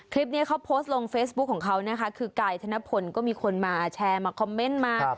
คลิปนี้เขาโพสต์ลงเฟซบุ๊คของเขานะคะคือกายธนพลก็มีคนมาแชร์มาคอมเมนต์มา